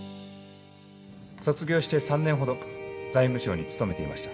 卒業して３年ほど財務省に勤めていました。